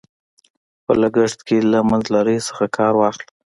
په لګښت کې له منځلارۍ نه کار واخله.